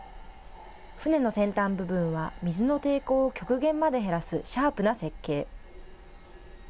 船の先端部分は、水の抵抗を極限まで減らすシャープな設計。